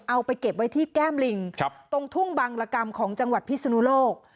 เอาไปเก็บไว้ที่แก้มลิงตรงทุ่งบังรกรรมของจังหวัดพิศนุโลก